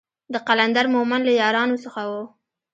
د قلندر مومند له يارانو څخه و.